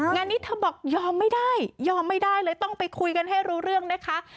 งานนี้เธอบอกยอมไม่ได้ยอมไม่ได้เลยต้องไปคุยกันให้รู้เรื่องนะคะ